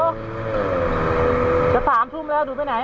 โอ้จะสามทุ่มแล้วดูไปไหนล่ะ